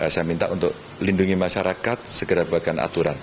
saya minta untuk lindungi masyarakat segera buatkan aturan